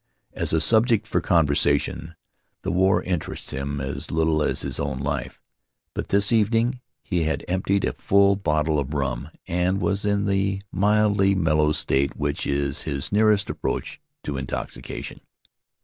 As a subject for conversation, the war interests him as little as his own life, but this evening he had emptied a full bottle of rum, and was in the mildly mellow state which is his nearest approach to intoxication.